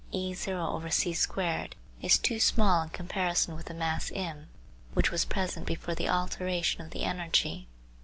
eq. 22: file eq22.gif is too small in comparison with the mass m, which was present before the alteration of the energy.